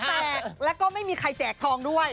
แตกแล้วก็ไม่มีใครแจกทองด้วย